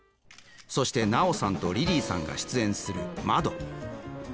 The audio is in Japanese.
そして奈緒さんとリリーさんが出演する「窓」。